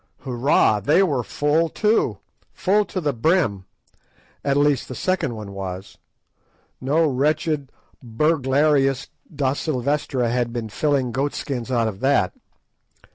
Hoorah! they were full too, full to the brim; at least, the second one was; no wretched burglarious Da Silvestra had been filling goat skins out of that.